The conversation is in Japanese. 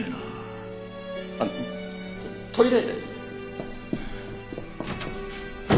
あのトイレ。